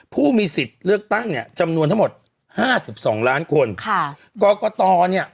ผู้มีสิทธิ์เลือกตั้งเนี่ยจำนวนทั้งหมดห้าสิบสองล้านคนค่ะกรกตเนี่ย